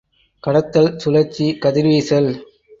கடத்தல், சுழற்சி, கதிர்வீசல்.